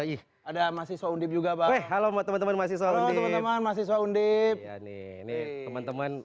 ih ada masih sound juga bang halo teman teman masih selalu teman teman masih sound ini teman teman